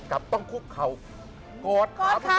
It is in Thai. กลับต้องคุกเขากดขาคุกเขาไว้